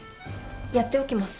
やっておきます。